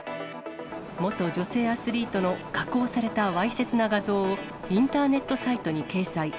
元女性アスリートの加工されたわいせつな画像を、インターネットサイトに掲載。